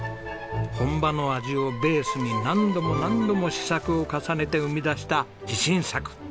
本場の味をベースに何度も何度も試作を重ねて生み出した自信作。